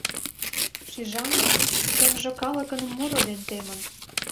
Шижам, чонжо калыкын муро ден темын.